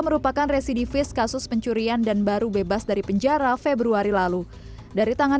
merupakan residivis kasus pencurian dan baru bebas dari penjara februari lalu dari tangan